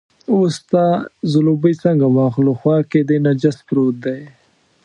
اوس ستا ځلوبۍ څنګه واخلو، خوا کې دې نجس پروت دی.